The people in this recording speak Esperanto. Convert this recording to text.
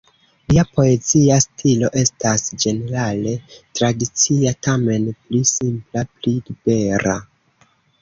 Lia poezia stilo estas ĝenerale tradicia, tamen pli simpla, pli libera.